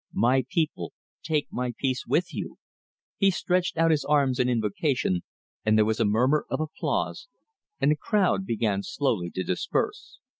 My people, take my peace with you!" He stretched out his arms in invocation, and there was a murmur of applause, and the crowd began slowly to disperse.